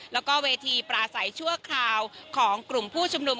แล้วก็เวทีปราศัยชั่วคราวของกลุ่มผู้ชุมนุม